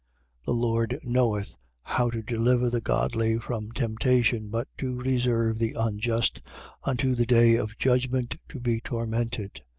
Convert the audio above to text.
2:9. The Lord knoweth how to deliver the godly from temptation, but to reserve the unjust unto the day of judgment to be tormented: 2:10.